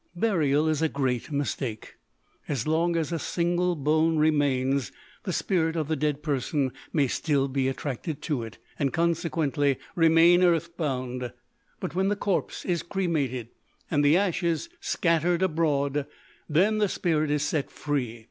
Burial is a great mistake. As long as a single bone remains, the spirit of the dead person may still be attracted to it, and consequently remain earthbound; but when the corpse is cremated, and the ashes scattered abroad, then the spirit is set free.